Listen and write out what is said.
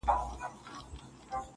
پلار وای دا لور چي پلاني پير ته ودېږي,